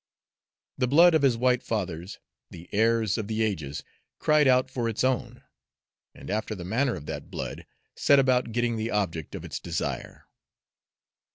The blood of his white fathers, the heirs of the ages, cried out for its own, and after the manner of that blood set about getting the object of its desire.